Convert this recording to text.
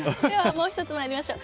もう１つ参りましょう。